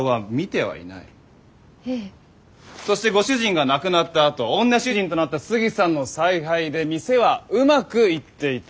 そしてご主人が亡くなったあと女主人となったスギさんの采配で店はうまくいっていた。